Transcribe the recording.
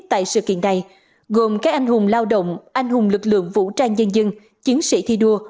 tại sự kiện này gồm các anh hùng lao động anh hùng lực lượng vũ trang nhân dân chiến sĩ thi đua